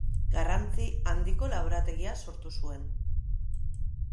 Garrantzi handiko laborategia sortu zuen.